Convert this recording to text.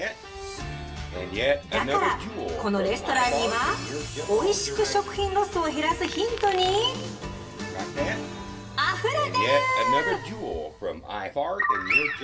だからこのレストランにはおいしく食品ロスを減らすヒントにあふれてる！